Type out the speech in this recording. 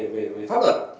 về pháp luật